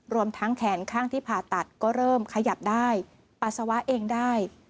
รวมทั้งแขนข้างที่ผ่าตัดก็เริ่มขยับได้ปัสสาวะเองได้